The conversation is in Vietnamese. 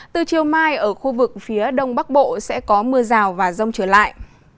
từ chiều mai ở khu vực phía đông bắc bộ sẽ có mưa rào và rông trở lại